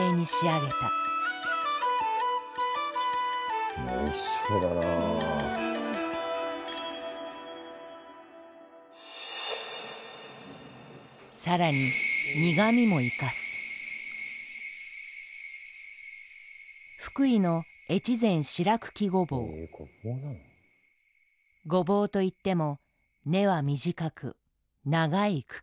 ごぼうといっても根は短く長い茎と葉っぱを持つ。